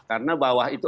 karena bawah itu